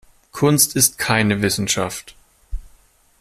Kunst ist keine Wissenschaft.